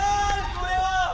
これは。